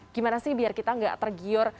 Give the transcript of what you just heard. gimana sih biar kita nggak tergiur